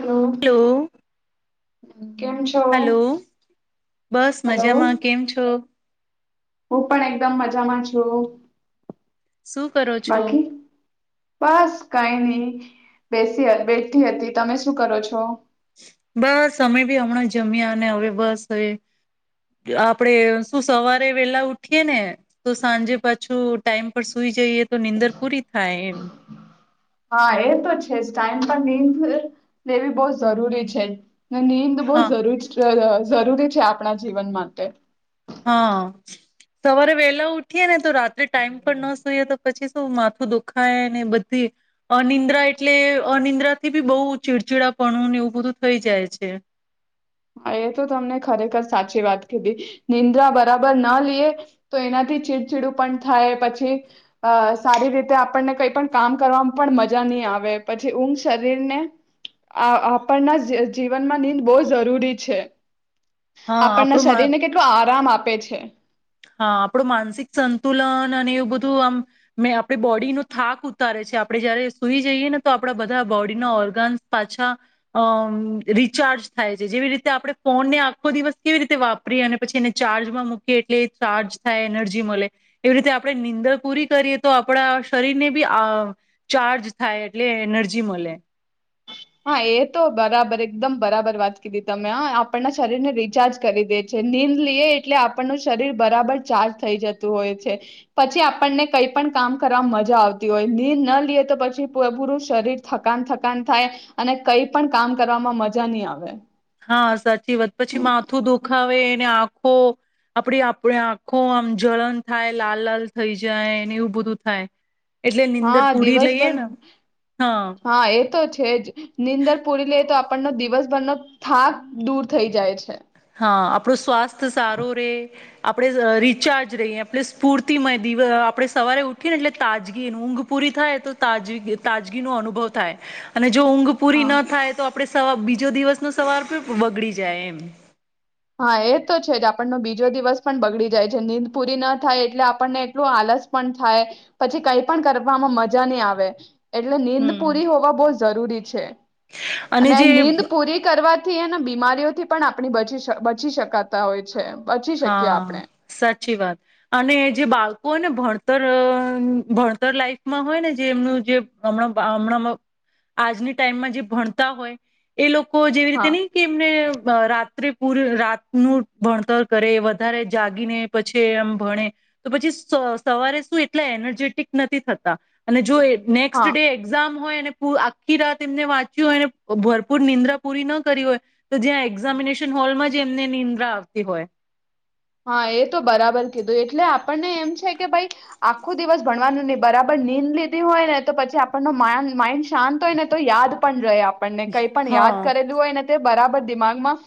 Hello hello કેમ છો hello બસ હેલો મજામાં કેમ છો? હું પણ એકદમ મજામાં છું શું કરો છો બાકી બસ કઈ નહી બેસી બેઠી હતી તમે શું કરો છો બસ અમે બી હમણાં જમ્યા અને હવે બસ આપણેે શું સવારે વહેલા ઉઠીએ ને તો સાંજે પાછું ટાઈમ પર સુઈ જઈએ તો નીંદર પૂરી થાય એમ હા એ તો છે જ ટાઈમ પર નીંદ લેવી બહ જરૂરી છે ના નીંદ બહ હા જરૂરી સ જરૂરી છે આપણા જીવન માટે હા સવારે વેલા ઉઠીએ ને તો રાત્રે ટાઈમ પર ન સુઈએ તો પછી શું માથું દુખાય બધી અનિદ્રા એટલે અનિદ્રાથી બી બહુ ચીડચીડાપણું ને એવું બધું થઈ જાય છે એ તો તમને ખરેખર સાચી વાત કીધી નિંદ્રા બરાબર ના લઈએ તો એનાથી ચીડચીડું પણ થાય પછી અ સારી રીતે આપણને કઈ પણ કામ કરવાવામાં પણ મજા નહી આવે પછી ઊંઘ શરીરને આપણના જીવનમાં નિનીંદ બહુ જરૂરી છે હા આપણના આપણું શરીરને કેટલો આરામ આપે આપે છે હા આપડું માનસિક સંતુલન અને એવું બધું આમ મે આપડી બોડીનો થાક ઉતારે છે આપડણે જયારે સુઈ જઈએ ને તો આપડા બધા બોડીના ઓર્ગન્સ પાછા અ રીચાર્જ થાય છે જેવી રીતે આપણે ફોનને આખો દિવસ કેવી રીતે વાપરીએ અને પછી એને ચાર્જમાં મૂકીએ એટલે ચાર્જ થાય એનર્જી મળે એવી રીતે આપણે નીંદણ પૂરી કરીએ તો આપણા શરીરને બી આ ચાર્જ થાય એટલે એનર્જી મળે હા એ તો બરાબર એકદમ બરાબર વાત કીધી તમે આપણના શરીર ને રિચાર્જ કરી દે છે નીંદ લઈએ એટલે આપણનું શરીર બરાબર ચાર્જ થઈ જતું હોય છે પછી આપણને કઈ પણ કામ કરવા મજા આવતી હોય નીંદ ન લઈએ તો પછી પૂરું શરીર થકાન થકાન થાય અને કઈ પણ કામ કરવામાં મજા નહી આવે હા સાચ જીત પછી હમ. માથું દુઃખાવે આખો આપડી આપ આંખો આમ જલન થાય લાલ લાલ થઈ જાય ને એવું બધું થાય. એટલે નીંદર હા પૂરી લઈએ દિવસભર ને હા એ તો જ છે જ નીંદર પૂરી લઈ તો આપણનો દિવસભરનો થાક દૂર થઈ જાય છે. હા આપણું સ્વાસ્થ્ સારું રે આપણે રીચાર્જ રહીએ સ્ફૂર્તિમય દીવ આપણે સવારે ઉઠી ને એટલે તાજગી ઊંઘ પૂરી થાય તોાજ તાજગીનો અનુભવ થાય અને જો ઊંઘ પૂરી હા ના થાય તો આપડે સવાર બીજો દિવસ ન સવાર બગડી જાય એમ હા એ તો છે જ આપણનો બીજો દિવસ પણ બગડી જાય છે ન નીંદ પૂરી ના થાય એટલે આપણને એટલું આલસ પણ થાય પછી કઈ પણ કરવામાં મજા નહી આવે એટલે નીંદ હમ પૂરી હોવા બહુ જરૂરી છે અને નીંદ પૂરી કરવા થી એ બીમારીઓથી પણ આપણી બચી શકી બચી શકાતા હોય છે એમ હા સાચી વાત અને એ જે બાળકો હો ને ભણ ભતર ભણતર લાઈફમાં હોય ને જેમનું જેમમણા આજની ટાઈમમાં જે ભણતા હોય એ લોકો લોકો જેવી રીતે હા નહી કે એમને રાત્રે પૂરે રાતનું ભણતર કરે વધારે જાગીને પછી એમ ભણે, તો પછી સવારે શું એટલા એનર્જેટિક નથી થતા અને જો નેક્સ્ટ હા ડે એક્ઝામ હોય આખી રાત એમને વાંચ્યું હોય ભરપૂર નિંદ્રા પૂરી ન કરી હોય તો, જ્યાં એક્ઝામિનેશન હોલમાં જ એમને નિંદ્રા આવતી હોય. હા એ તો બરાબર કીધું એટલે આપણને એમ છે કે ભાઈ, આખો દિવસ ભણવાનું નહી બરાબર નીંદ લીધી હોય ને તો પછી આપણનો માઇન્ડ શાંત હોય ને તો યાદ પણ રહે. આપણને કંઈ પણ હા યાદ કરેલું હોય ને બરાબર દિમાગમાં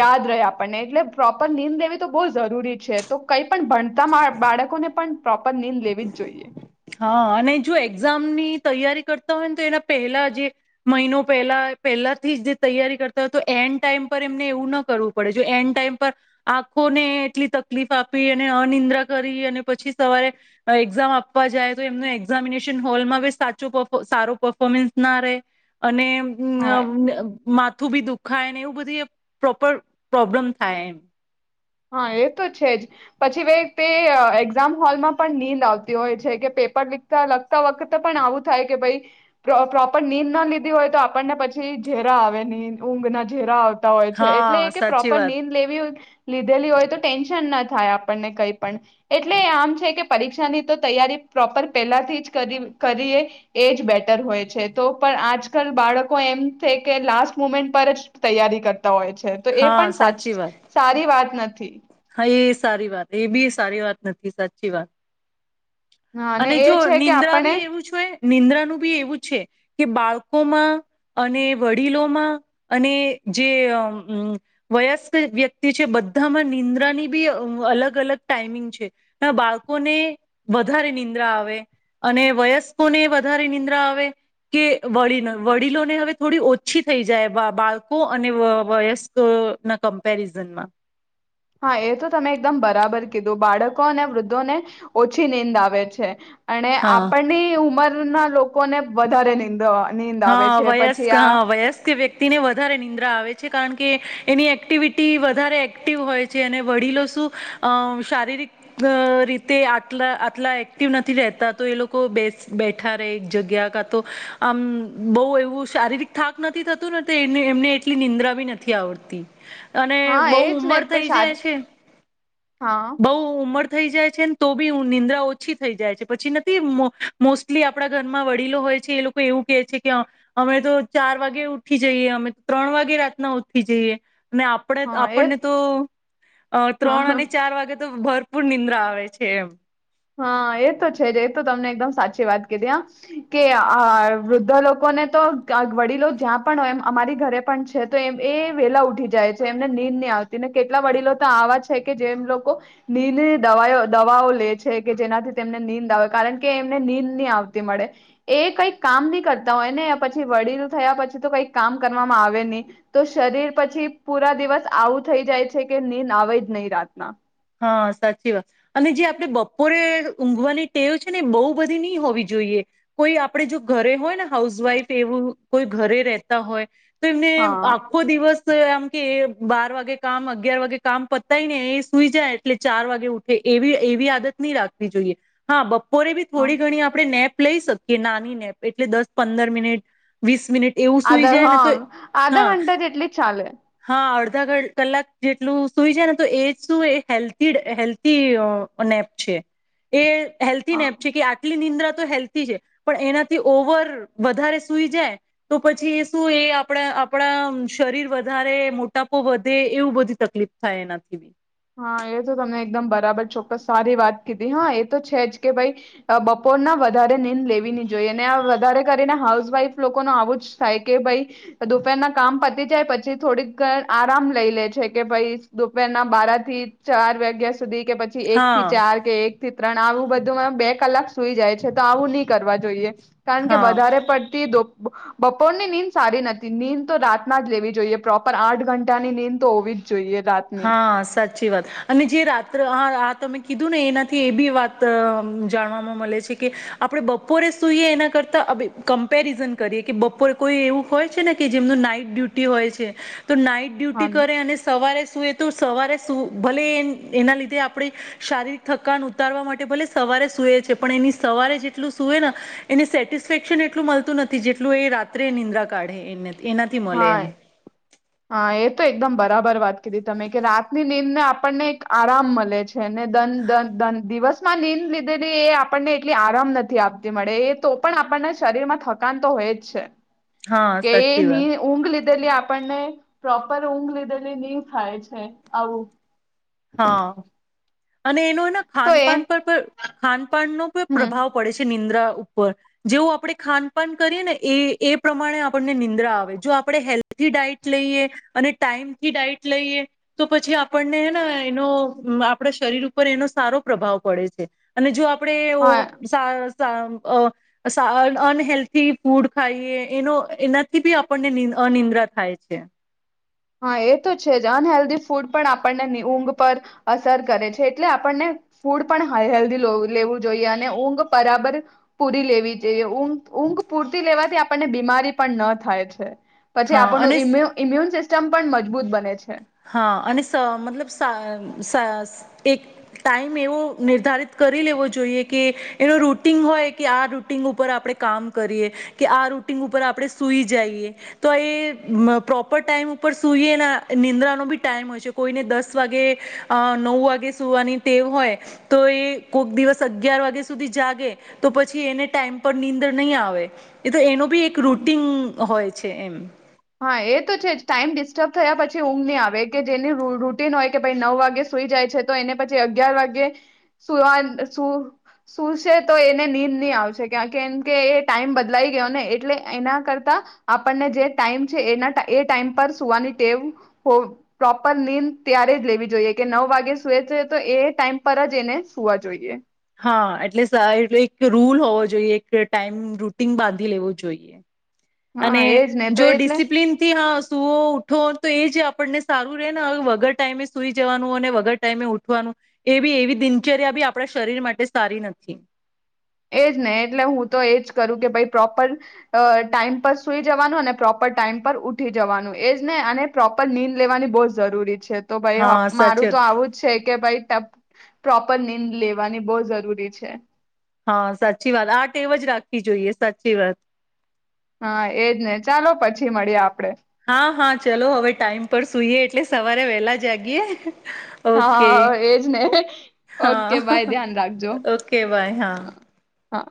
યાદ રહે, આપણને એટલે પ્રોપર નીંદ લેવી તો બહુ જરૂરી છે. તો કઈ પણ ભણતા બાળકોને પણ પ્રોપર નીંદ લેવી જ જોઈએ. હા અને જો એક્ઝામ ની તૈયારી કરતા હોય ને તો એના પહેલા જે મહિનો પહેલા પહેલા થી જ જે તૈયારી કરતા હોય તો એન્ડ ટાઈમ પર એમને એવું ના કરવું પડે જો, એન્ડ ટાઈમ પર આંખોને એટલી તકલીફ આપી અને અનિદ્રા કરી અને પછી સવારે એક્ઝામ આપવા જાય તો એમનું એક્ઝામિનેશન હોલમાં બી સાચો સારો પફોર્મન્સ ના રહે અને હમ હા મા આથું બી દુખાય ને એવું બધી પ્રોપર પ્રોબ્લેમ થાય એમ. હા એ તો છે. જ પછી ભ તે એક્ઝામ હોલમાં પણ નીંદ આવતી હોય છે કે પેપર લીખતા લગતા વખતે પણ આવું થાય કે ભાઈ પ્રોપર નીંદ ના લીધી હોય તો આપણને પછી ઝેરા આવે ઊંઘ ના ઝેરા આવતા‌ હોય છે. એટલે એ હા કે સાચી પ્રોપર વાત નીંદ લેવી હોય લીધેલી હોય તો ટેન્શન ના થાય આપણને કંઈ પણ એટલે આમ છે કે, પરીક્ષાની તો તૈયારી પ્રોપર પહેલાથી જ કરી કરીએ, એ જ બેટર હોય છે. તો પણ આજકાલ બાળકો એમ છે કે લાસ્ટ મુમેન્ટ પર જ તૈયારી કર તા હોય છે. તો એ હા પણ સાચ સાચી વાત સારી વાત નથી. હા એ સારી વાત એ બી સારી વાત નથી સાચી વાત. હા અને એ જો છે કે નિંદ્રા આપણે બી એવું છે‌. નિંદ્રાનું બી એવું છે કે બાળકોમાં અને વડીલોમાં અને જે વયસ્ક વ્યક્તિ છે, બધામાં નિંદ્રાની બી અલગ અલગ ટાઈમિંગ છે. બાળકોને વધારે નિંદ્રા આવે. અને વયસ્કોને વધારે નિંદ્રા આવે કે વ વડીલોને હવે થોડી ઓછી થઈ જાય બાળકો અને વયસ્કો ના કમ્પેરિઝનમાં. હા એ તો તમે એકદમ બરાબર કીધું બાળકો અને વૃદ્ધોને ઓછી નીંદ આવે છે. અને હા આપણની ઉંમરના લોકો લોકોને વધારે નિંદો‌ હા વયસ્ક હા વયસ્ક વ્યક્તિને વધારે નિંદ્રા આવે છે. કારણ કે એની એક્ટિવિટી વધારે એક્ટિવ હોય છે. અને વડીલો શું અ શારીરિક રીતે આટલા આટલા એક્ટિવ નથી. રહેતા તો એ લોકો બેસ બેઠા રહે એક જગ્યા કા તો આમ બહુ એવું શારીરિક થાક નથી થતું. ને એમને એટલી નિંદ્રા બી નથી આવડતી. અને હા બહુ એજ ને ઉમર તો થઇ જાય સારી છે. હા બઉ ઉંમર થઈ જાય છે ને તો બી નિંદ્રા ઓછી થઈ જાય છે્ પછી નથી મોસ્ટલી આપડા ઘરમાં વડીલો હોય છે એ લોકો એવું કેહે છે કે અમે તો ચાર વાગે ઉઠી જઈએ અમે તો, ત્રણ વાગે રાતના ઉઠી જઈએ. આપણે હા એ આપણને તો ત્રણ હા અને તો ભરપૂર નિંદ્રા આવે છે એમ. હા એ તો છે એ તો તમને એકદમ સાચી વાત કીધી હ કે આ વૃદ્ધ લોકોને તો વડીલો જ્યાં પણ હોય એમ અમારી ઘરે પણ છે. તો એ એ વેલા ઉઠી જાય છે. એમને નીંદ નહી આવતીને કેટલા વડીલો તો આવા છે કે જેમ લોકો નીંદ દવાઓ લે છે. કે જેનાથી તેમને નીંદ આવે. કારણ કે એમને નીંદ નહી આવતી મળે એ કંઈક કામ નહી કરતા હોય ને પછી વડીલું થયા પછી તો કઈક કામ કરવામાં આવે નહી તો શરીર પછી પૂરા દિવસ આવું થઈ જાય છે કે નીંદ આવે જ નહી રાતના. હા સાચી વાત અને જે આપણે બપોરે ઊંઘવાની ટેવ છે, ને એ બહુ બધી નહી હોવી જોઈએ કોઈ આપડે જો ઘરે હોય ને હાઉસવાઈફ એવું કોઈ ઘરે રહેતા હોય. તો એને હા આખો દિવસ એમ કે બાર વાગે કામ અગિયાર વાગે કામ પતાય ને એ સુઈ જાય એટલે ચાર વાગે ઉઠે એવી એવી આદત નહી રાખવી જોઈએ હા બ રે બી હા થોડી ઘણી આપણે નેપ. લઈ શકીએ નાની નેપ એટલે દસ પંદર મિનિટ વીસ મિનિટ એવું સુઈ આધા જાય ને તો હા આધા ઘંટા જેટલી ચાલે. અધા કલાક જેટલું સુઈ છે ને તો એ જ. શું એ હેલ્ધી હેલ્થી નેપ છે એ. હેલ્થી હા નેપ છે કે આટલીંદ. હેલ્ છે પણ એનાથી ઓવર વધારે સુઈ જાય તો પછી એ શું એ આપણા આપણા શરીર વધારે મોટાપો વધે એવું બધી તકલીફ થાય એનાથી. હા એ તો તમને એકદમ બરાબર ચોક્કસ સારી વાત કીધી હા એ તો છે જ કે ભાઈ બપોરના વધારે નીંદ લેવી નની જોઈએ અને આ વધારે કરીને હાઉસવાઈફ લોકો ન આવું જ થાય કે ભાઈ દુપેરના કામ પતી જાય પછી થોડીક ઘ આરામ લઈ લે છે કે ભઈ દુપેરના બારા થી ચાર વાગ્યા સ સુધી કે પછી એક હા થી ચાર કે એક થી ત્રણ આવું બધુંમાં બે કલાક સુઈ જાય છે તો આવું નહી કરવા જોઈએ. કારણ કે હા વધારે પડતી બપોરની નીંદ સારી નથી નીંદ તો રાતના જ લેવી જોઈએ પ્રોપર આઠ ઘંટાની નીંદ તો હોવી જ જોઈએ. રાતની હા, સચ. સાચી વાત અને જે રાત્ર આ આ તમે કીધું ને એનાથી એ બી વાત જાણવાવામાં મળે છે કે આપડે બપોરે સુઈએ એના કરતા કમ્પેરિઝન કરીએ કે બપોરે કોઈ એવું હોય છે ને કે જેમનું નાઈટ ડ્યુટી હોય છે. તો નાઈટ હા ડ્યુટી કરે અને સવારે તો સવારે સુ ભલે એના લીધે આપડી શારીરિક થકાન ઉતારવા માટે ભલે સવારે સુૂએ છે પણ એની સવારે જેટલું સુૂય ને એને સેટિસ્ફેક્શન એટલું મળતું નથી જેટલું એ રાત્રે નિંદ્રા કાઢે એને. એનાથી મળે હા એમ. હા એ તો એકદમ બરાબર વાત કીધી તમે કે રાતની નીંદ ને આપણને એક આરામ મળે છે નેન દિવસમાં નીંદ લીધેલી એ આપણને એટલી આરામ નથી આપતી મળે એ તો પણ આપણના શરીર માં થકાન તો હોય જ છે. હા કે એ સાચી વાત. ની ઊંઘ લીધેલી આપણને પ્રોપર ઊંઘ લીધેલી નહી થાય છે આવું. હા. અને એનો એના તો ખાન એ પાાન પર પણ ખાનપાનનો હમ પ્રભાવ પડે છે. નિદ્રા ઉપર જેવું આપણે ખાનપાન કરીએ ને એ એ પ્રમાણે આપણને નિંદ્રા આવે જો આપણે હેલ્થી ડાઈટ લઈએ અને ટાઈમથી ડાઈટ લઈએ તો પછી આપણનેે આપ શરીર ઉપર એનો સારો પ્રભાવ પડે છે અને જો આપ હા કપડે ઓ સ અનહેલ્થી ફૂડ ખાઈએ એનો એનાથી બી આપણને અનિદ્રા થાય છે. હા એ તો છે જ અનહેેલ્ધી ફૂડ પણ આપણને ઊંઘ પર અસર કરે છે એટલે આપણને ફૂડ પણ હેલ્ધી લેવું જોઈએ અને ઊંઘ બરાબર પૂરી લેવી જોઈએ ઊંઘ ઊંઘ પૂરતી લેવાથી આપણને બીમારી પણ ન થાય છે. પછી હા આપણું અને ઇમ્યુન સિસ્ટમ પણ મજબૂત બને છે. હા અને મતલબ એક ટાઈમ એવો નિર્ધારિત કરી લેવો જોઈએ કે એનો રૂટિન હોય કે આ રૂટિન ઉપર આપણે કામ કરીએ કે આ રૂટિન ઉપર આપણે સુઈ જઈએ તો એ પ્રોપર ટાઈમ ઉપર સુઈએ નિંદ્રા ટમ હોય કોઈ દસ વાગે નવ વાગે સુવાની ટે હોય તો એ કોઈ દિવસ સુધી જાગે તો પછી એને ટાઈમ પર નીંદર નહી આવે. તો એનો બી એક હમ રૂટીન હોય છે એમ. હા એ તો છે જ ટાઈમ ડિસ્ટર્બ થયા પછી ઊંઘ નહીં આવે કે જેની રૂટીન હોય કે ભાઈ નવ વાગે સુઈ જાય છે તો એને પછી અગિયાર વાગે સુવા સુ સુશે તો એને નીંદ ની આવે છે કેમ કે એ ટાઈમ બદલાઈ ગયો ને એટલે એના કરતા આપણને જે ટાઈમ છે એના એ ટાઈમ પર સુવાની ટેવ પ્રોપર નીંદ ત્યારે જ લેવી જોઈએ કે નવ વાગે સુએ છે તો એ ટાઈમ પર જ એને સુવા જોઈએ. હા એટલે એ એક રૂલ હોવો જોઈએ એક ટાઈમ રૂટીન બાંધી લેવું જોઈએ. હા અને એજ ને જો તો એટલે ડિસિપ્લિનથી હ સૂવો ઉઠો તો એ જે આપણને સારું રહે ને વગર ટાઈમે સુઈ જવાનું અને વગર ટાઈમે ઉઠવાનું એ બી એવી દિનચર્યા બી આપણા શરીર માટે સારી નથી. એજ ને એટલે હું તો એજ કરું કે ભઈ પ્રોપર ટાઈમ પર સુઈ જવાનું અને પ્રોપર ટાઈમ પર ઉઠી જવાનું એજ ને અને પ્રોપર નીંદ લેવાની બહુ જ જરૂરી છે તો ભાઈ હા સાચી મારું તો વાત આવું જ છે કે ભાઈ પ્રોપર નીંદ લેવાની બઉ જરૂરી છે. હા સાચી વાત આ ટેવ જ રાખવી જોઈએ સાચી વાત. હા એજ ને ચાલો પછી મડીએ આપડે. હા હા ચલો હવે ટાઈમ પર સુઈએ એટલે સવારે વેલા જાગીએે. હા આ આ એજ ને ઓકે હા બાય ધ્યાન રાખજો. ઓકે બાય હા હા.